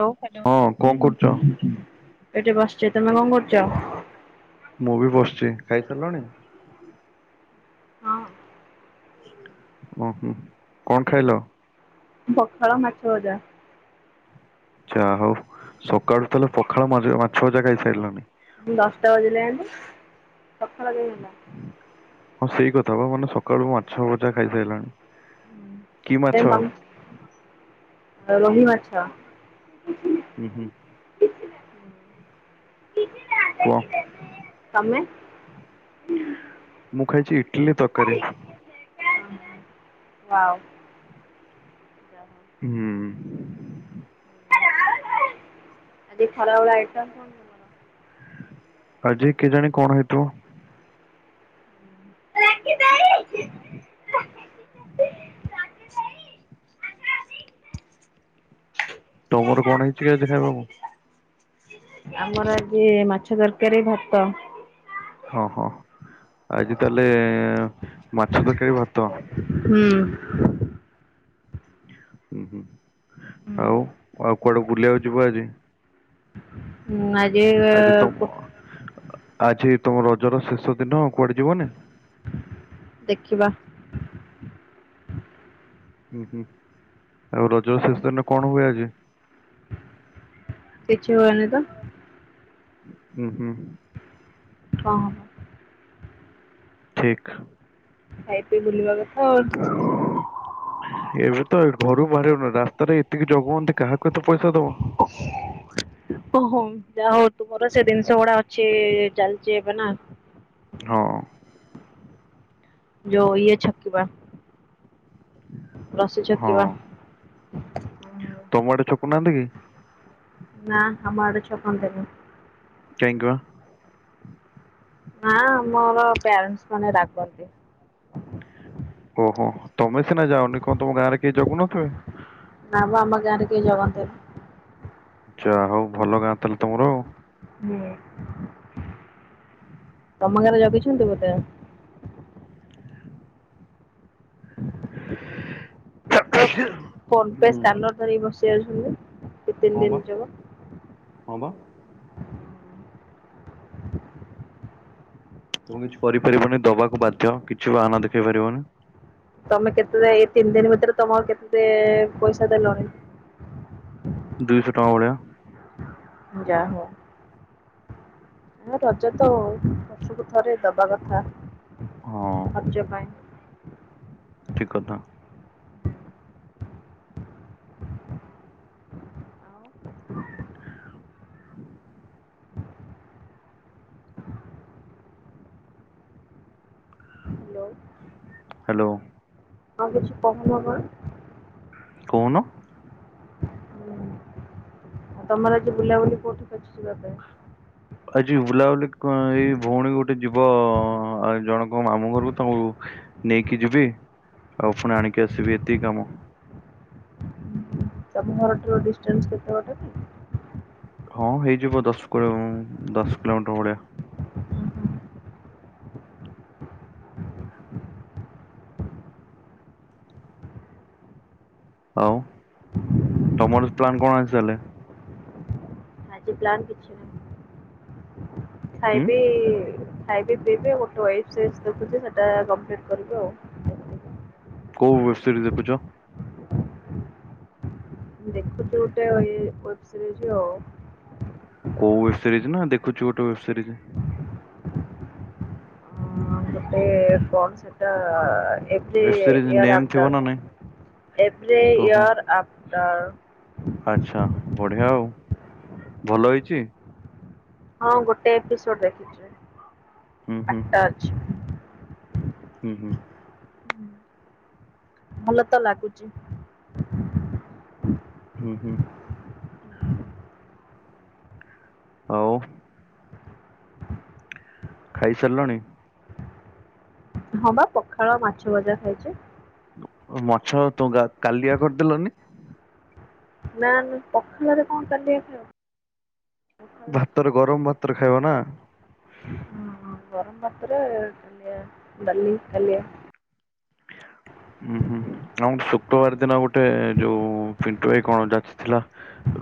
[unintelligible] ହଁ କଣ କରୁଛ? ଏଠି ବସିଛି ତମେ କଣ କରୁଛ? ମୁଁ ବି ବସିଛି ଖାଇସାରିଲଣି? ହଁ। ଓହୋ କଣ ଖାଇଲ? ପଖାଳ, ମାଛ ଭଜା। ଯାହା ହଉ, ସକାଳୁ ତାହେଲେ ପଖାଳ ମା-ମାଛ ଭଜା ଖାଇସାଇଲଣି। ଦଶଟା ବଜିଲାଣି, ସଖାଳ କେମି ହେଲା। ହଁ, ସେଇ କଥା ବା ମାନେ, ସକାଳୁ ମାଛ ଭଜା ଖାଇସାଇଲଣି। କାଇଁ ତମ୍ ରୋହି ମାଛ। ଉଁ, ହୁଁ। କୁହ ତମେ? ମୁଁ, ଖାଇଛି ଇଟିଲି, ତରକାରୀ। ୱାଉ। ହୁଁ। ଆଜି ଖରାବେଳେ ଆଇଟମ୍ କଣ? ତମର? ଆଜି କେଜାଣି କଣ ହେଇଥିବ? ରାକି ଦେଇ [inaudible] ତମର କଣ ହେଇଛି କି ଆଜି ଖାଇବାକୁ? ଆମର ଆଜି ମାଛ ତରକାରୀ ଭାତ। ହଁ, ହଁ ଆଜି ତାହେଲେ ମାଛ ତରକାରୀ ଭାତଁ। ହୁଁ। ଉଁ, ହୁଁ ଆଉ, ଆଉ କୁଆଡେ ବୁଲିଆକୁ ଯିବ ଆଜି? ମୁଁ ଆଜି-ଇ ଅ ଆଜି ତମ ପୋ ଆଜି ତମ ରଜର ଶେଷ ଦିନ କୁଆଡେ ଯିବନି? ଦେଖିବା। ହୁଁ, ହୁଁ ଆଉ ରଜ ଶେଷ ଦିନରେ କଣ ହୁଏ ଆଜି? କିଛି ହୁଏନି ତ! ହୁଁ, ହୁଁ। କଁ ହଁ। ଠିକ୍। ଖାଇପିଇ ବୁଲିବା କଥା ଆଉ। ଏବେ ତ ଘରୁ ବାହାରି ହଉନି, ରାସ୍ତାରେ ଏତିକି ଜଗୁହନ୍ତି କାହାକୁ ଏତେ ପଇସା ଦବ? ଓ। ଓହୋମ, ଯାହା ହଉ ତୁମର ସେ ଜିନିଷ ଗୁଡା ଅଛି ଚାଲିଛି ଏବେ ନା। ହଁ। ଯଉ ଇଏ ଛକ୍କି ବା। ରଶି ହଁ ଛକ୍କିବା। ତମ ଆଡେ ଛକ୍କୁ ନାହାଁନ୍ତି କି? ନାଁ ଆମ ଆଡେ ଛକନ୍ତିନି। କାଇଁକି କଁ। ନାଁ ଆମର ପ୍ୟାରେଣ୍ଟସ୍ ମାନେ ରାଗନ୍ତି। ଓହୋ! ତମେ ସିନା ଯାଓନି, କଣ ତମ ଗାଁରେ କେହି ଜଗୁନଥିବେ? ନାଁ, ମ ଆମ ଗାଁରେ କେଇ ଜଗନ୍ତିନି। ଯା ହଉ ଭଲ ଗାଁ ତାହାଲେ ତମର ଆଉ। ହୁଁ, ତମ ଗାଁରେ ଜଗିଛନ୍ତି ବୋଧେ! [unintelligible] ଫୋନ୍ ପେ ହୁଁ ସ୍କାନର ଧରିକି ବସି ଯାଉଛନ୍ତି। ଦି ତିନି ଦିନ ହଁବା, ଯିବ। ହଁବା! ତୁ କିଛି କରିପାରିବୁନି ଦବାକୁ ବାଧ୍ୟ। କିଛି ବାହାନା ଦେଖେଇ ପାରିବୁନି। ତମେ କେତେ ଯାଏ ଏଇ ତିନି ଦିନ ଭିତରେ ତମ କେତେ ପଇସା ଦେଲଣି। ଦୁଇଶହ ଟଙ୍କା ଭଳିଆ। ଯା ହଉ। ଆ ରଜ ତ ବର୍ଷକୁ ଥରେ ଦବା କଥା ହଁ ଖର୍ଚ୍ଚ ପାଇଁ। ଠିକ କଥା। ଆଉ ହ୍ୟାଲୋ ହ୍ୟାଲୋ। ଆଉ କିଛି କହୁନ କଣ? କହୁନ। ଆଉ ତମର ଆଜି ବୁଲାବୁଲି କୋଉଠିକି ଅଛି ଯିବା ପାଇଁ। ଆଜି ବୁଲାବୁଲି କ। ଏଇ ଭଉଣୀ ଗୋଟେ ଯିବ ଜଣଙ୍କ ମାମୁ ଘରକୁ ତାଙ୍କୁ ନେଇକି ଯିବି ଆଉ ଫୁଣି ଆଣିକି ଆସିବି ଏତିକି କାମ। ତମ ଘର ଠାରୁ ଡିଷ୍ଟାନ୍ସ କେତେ ବାଟ କି? ହଁ ହେଇଯିବ ଦଶ କୋଡି ଉଁ ଦଶ କିଲୋମିଟର ଭଳିଆ। କ ଆଉ ତମର ପ୍ଲାନ୍ କଣ ଆଜି ତାହେଲେ। ଆଜି ପ୍ଲାନ୍ କିଛି ନାହିଁ ହୁଁ ଖାଇବି ଖାଇବି ପିଇବି ଗୋଟେ ୱେବ୍ ସିରିଜ ଦେଖୁଚି ସେଟା କଂପ୍ଲିଟ୍ କରିବି ଆଉ। କୋଉ ୱେବ୍ ସିରିଜ ଦେଖୁଚ? ଦେଖୁଚି ଗୋଟେ ୱେ ୱେବ୍ ସିରିଜି ଆଉ। କୋଉୱେବ୍ିସିରିଜ ନା ଦେଖୁ ଚି ଗୋଟେ ବ ସଜ୍ ଅଁ, ଗୋଟେ କଣ ସେଟା। ଏଭ ୱେବ ସିରିଜ ଇୟର ନେମ୍ ଥିବ ନା ଆଫ୍ଟତଵ ନାଇଁ ଏଭି ଓହୋ। ଇୟର୍ ଆଫ୍ଟର ଆଚ୍ଛା ବଢିଆ ଆଉ ଭଲ ହେଇଛି ହଁ ଗୋଟେ ଏପିସୋଡ ଦେଖି ହୁଁ ହୁଁ ଅଛି। ହୁଁ ହୁଁଁ, ଭଲ ତ ଲାଗୁଛି। ହୁଁ ହୁଁ ଆଉ ଖାଇସାରିଲାଣି। ହଁ ବା ପଖାଳ ମାଛ ଭଜା ଖାଇଛି। ମାଛ କାଲିଆ କରିଦେଲନି। ନା ପଖାଳ ରେ କଣ କାଲିଆ ଖାଇବ ଆଉ, ଭାତର ଗରମ ଭାତର ଖାଇବ ନା। ହଁ ଗରମଭାତ ରେ କାଲିଆ, ଡାଲିକାଲିଆ। ଉୁଁ ହୁଁ ଆଉ ହଁ ଶୁକ୍ରବାର ଦିନ ଗୋଟେ ଯୋଉ ପିଣ୍ଟୁ ଭାଇ କଣ ଯାଚିଥିଲା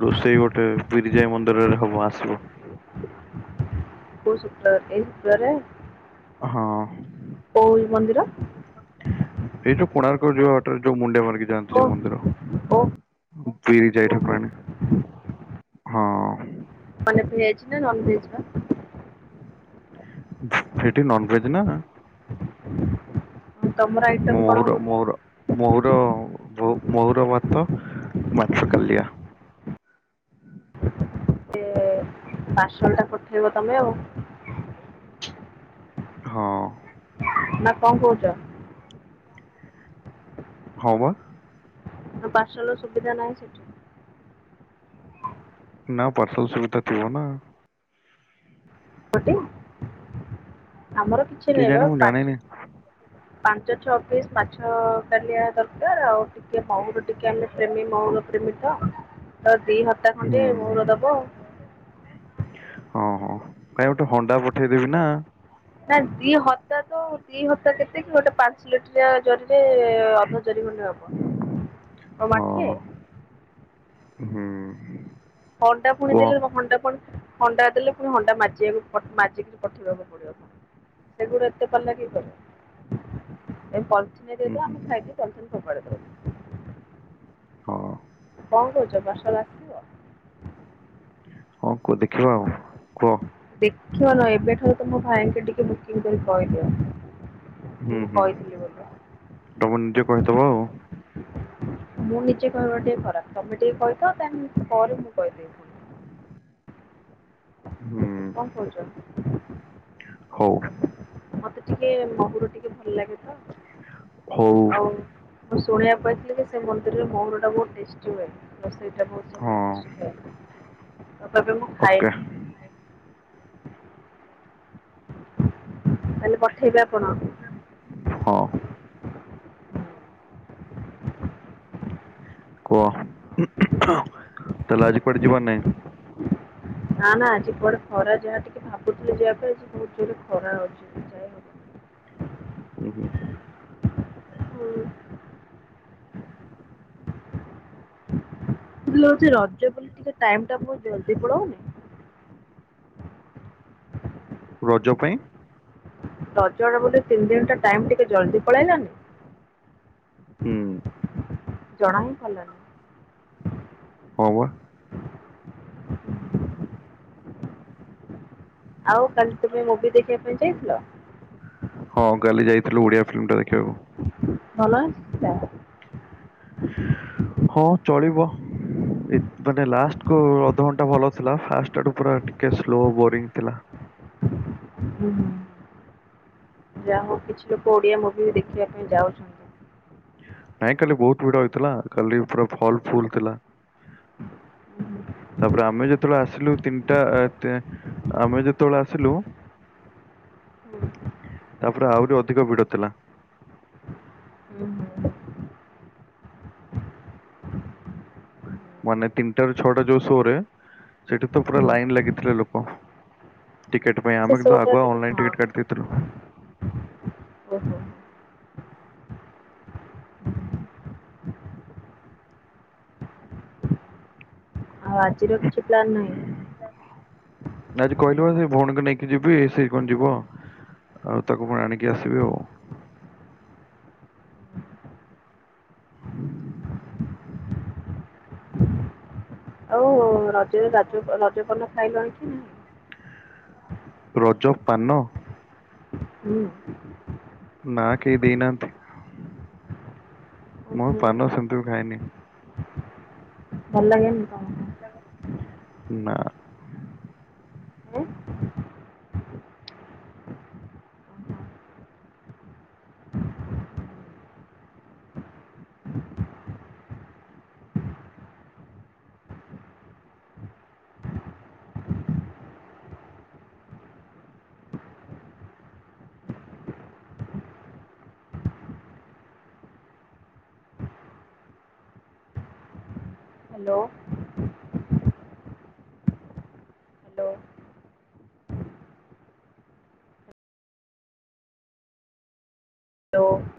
ରୋଷେଇ ଗୋଟେ ବିରିଜା ମନ୍ଦିରରେ ହବ। ଆସିବ। କେଉଁ ଶୁକ୍ରବାର, ଏଇ ଶୁକ୍ରବାର ହଁ। ଓଉ ମନ୍ଦିର [inaudible] ଏଇ ଯୋଉ କୋଣାର୍କ ଯିବା ବାଟରେ ଯୋଉ ମୁନଡିଆଆ ମାରିକି ଯାଆନ୍ତି ଓ ଯୋଉ ମନ୍ଦିର। ଓ ବିରି ଯାଇ ଓହୋ ଠାକୁରାଣୀ ହଁ। ମାନେ ଭେଜ ନା, ନନ ଭେଜ ପା। ସେଟି ନନ ଭେଜ ନା, ତମର ଆଇଟମ୍ କଣ ମୋହର ହବ କି ମୋହର, ମହୁର ମହୁୁର ଭାତ, ମାଛ କାଲିଆ। ପାର୍ସଲ ଟା ପଠେଇବ ତମେ ଆଉ ହଁ। ନା କଣ କହୁଛ? ହଁ ବା। ନା ପାର୍ସଲ ସୁବିଧା ନାହିଁ ସେଠି? ନା ପାର୍ସଲ ସୁବିଧା ଥିବ ନା। କେଜାଣି ମୁଁ ଜାଣିନି [unintelligible] ପାଞ୍ଚ ଛଅ ପିସ୍ ପାଛ କାଲିଆ ଦରକାର ଆଉ ଟିକେ ମଉର ଟିକେ ଆମେ ପ୍ରେମୀ ମଉର ପ୍ରେମୀ ତ ତ ଦି ହାତ ଟା ଖଣ୍ଡିେ ଭୋର ଦବ ଓଁ ହଁ କାଇହିଁ ଗୋଟେ ହଣ୍ଡା ପଠେଇଦେବି ନା। ନା ଦି ହତା ତ ଦି ହତା କେତେ କି ଗୋଟେ ପାଞ୍ଚ ଲିଟ ହଁ [unintelligible] [unintelligible] ହଣ୍ଟା ପୁଣି କୁହ ଦେଲେ ମ ଘଣ୍ଣ୍ଡା ପୁଣି ହଣ୍ଡା ଦେଲେ ପୁଣି ହଣ୍ଡା ମାଜିବାକୁ ମାଜିକିରି ପଠେଇବାକୁ ପଡିବ। [unintelligible] ଆମେ ହୁଁ ହୁଁ ଖାଇକି ପୋଲ୍ଥିନ ଫୋଫାଡ଼ି ଦେବୁ ହଁ। [unintelligible] ହଁ କୁହ ଦେଖିବା ଆଉ କୁହ? ଦେଖିବା ନୁହ ଏବେଠାରୁ ତ ମୋ ଭାଇଙ୍କେ ଟିକେ ବୁକିଂ କରି କହିଦିଅ। କି ହୁଁ ମୁଁ ହୁଁ କହିଥିଲି ବୋଲି ତମେ ନିଜେ କହିଥବ ଆଉ। ମୁଁ ନିଜେ କହିବା ଟିକେ ଖରାପ ତମେ ଟିକେ କହି [unintelligible] ପରେ ମୁଁ କହିଦେଇବ ହୁଁ କଣ କରହୁ? ହଉ ମତେ ଟିକେ ମହୁୁର ଟିକେ ଭଲ ଲାଗେ ତ ହଉ ଆଉ ମୁଁ ଶୁଣିବା ପାଇଥିଲି କି ସେ ମନ୍ଦିରରେ ମହୁର ଟା ବହୁତ ଟେଷ୍ଟି ହୁଏ ତ ସେଇ ସେ ବହୁତ ହଁ ସମୟ ଆଉ କେବେ ମୁଁ ଓକେ ଖାଏନି ତାହେଲେ ପଠେଇବେ ଆପଣ? ହଁ। କୁହ ତାହେଲେ ଆଜି କୁଆଡ଼େ ଯିବାର ନାଇଁ? ନା ନା ଆଜି କୁଆଳେ ଖରା ଯାହା ଟିକେ ଭାବୁଥିଲେ ଯିବା ପାଇଁ ଆଜି ବହୁତ ଜୋରେ ଖରା ଅଉଛି ଯାଏ ହବନି। [inaudible] ହୁଁ ହୁଁ। ହୁଁ। [unintelligible] ରଜ ପରେ ଟିକେ ଟାଇମ ଟା ବହୁତ ଜଲଦି ପଡଉନି? ରଜ ପାଇଁ? ତଜର ବୋଲେ ତିନି ଦିନ ଟା ଟାଇମ ଟିକେ ଜଲଦି ପଳେଇଲାନି? ହୁଁ। ଜଣାଇ ପଲନି ହଁ ବା। ଆଉ କାଲି ତୁମେ ମୁଭି ଦେଖିବା ପାଇଁ ଯାଇଥିଲ? ହଁ କାଲି ଯାଇଥିଲୁ ଓଡିଆ ଫିଲ୍ମ ଟା ଦେଖିବାକୁ। ଭଲ ଆସିଥିଲା? [inaudible] ହଁ ଚଳିବ। ଏ ମାନେ ଲାଷ୍ଟ କୁ ଅଧଘଣ୍ଟା ଭଲ ଥିଲା ଫାଷ୍ଟଆଠୁ ପୁରା ଟିକେ ସ୍ଲୋ ବୋରିଙ୍ଗ ଥିଲା। ହୁଁ ହୁଁ। ଯା ହଉ କିଛି ଲୋକ ଓଡିଆ ମୁଭି ବି ଦେଖିବା ପାଇଁ ଯାଉଛନ୍ତି। ନାଇଁ କାଲି ବହୁତ ଭିଡ ହେଇଥିଲା କାଲି ପୁରା ହଲ୍ ଫୁଲ୍ ଥିଲା। ହୁଁ, ତାପରେ ଆମେ ଯେତେବେଳେ ଆସିଲୁ ତିନିଟା ତେ ଆମେ ଯେତେବେଳେ ଆସିଲୁ ତାପରେ ଆହୁରି ଅଧିକ ଭିଡ ଥିଲା। ହୁଁ ହୁଁ। ମାନେ ତିନିଟା ରୁ ଛଅଟା ଯୋଉ ସୋ ରେ ସେଠି ତ ହୁଁ, ପୁରା ହୁଁ। ଲାଇନ ଲାଗିଥିଲେ ଲୋକ। ଟିକେଟ୍ ପାଇଁ ସେ ଆମେ କିନ୍ତୁ ଶୋଟା ଆଗୁଆ ଟିକେ ଅନଲାଇନ୍ ହଁ ଟିକେଟ୍ କାଟି ଦେଇଥିଲୁ। ଓହୋ। ଆଉ ଆଜିର କିଛି ପ୍ଲାନ୍ ନାହିଁ? ନାଁ ଆଜି କହିଲେ ସେଇ ଭଉଣୀକୁ ନେଇକି ଯିବି ସେଇ କଣ ଯିବ, ଆଉ ତାକୁ ଫୁଣି ଆଣିକି ଆସିବି ଆଉ। ଆଉ ରଜରେ ରାଜ ରଜ ପାନ ଖାଇଲଣି କି ନାଇଁ? ରଜ ପାନ? ହୁଁ। ନା କେହି ଦେଇନାହାନ୍ତି। ମୁଁ ଓହୋ ପାନ ସେମିତିବି ଖାଏନି। ଭଲ ଲାଗେନି ତ ନା। Hello hello hello